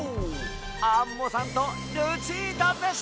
アンモさんとルチータでした！